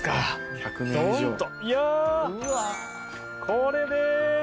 これです。